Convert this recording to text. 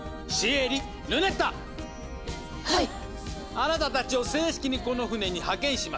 あなたたちを正式にこの船に派遣します。